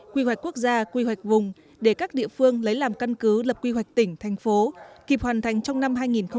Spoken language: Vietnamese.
quy hoạch quốc gia quy hoạch vùng để các địa phương lấy làm căn cứ lập quy hoạch tỉnh thành phố kịp hoàn thành trong năm hai nghìn hai mươi